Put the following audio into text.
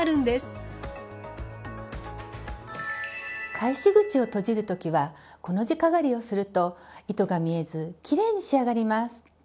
返し口を閉じる時はコの字かがりをすると糸が見えずきれいに仕上がります。